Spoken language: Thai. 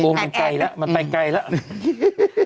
มู๑๑มันไปไกลแล้ว